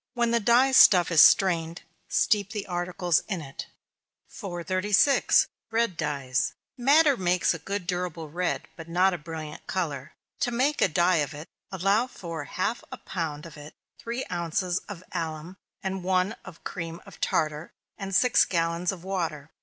When the dye stuff is strained, steep the articles in it. 436. Red Dyes. Madder makes a good durable red, but not a brilliant color. To make a dye of it, allow for half a pound of it three ounces of alum, and one of cream of tartar, and six gallons of water.